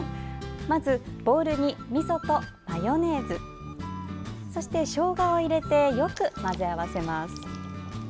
まず、ボウルにみそとマヨネーズそして、しょうがを入れてよく混ぜ合わせます。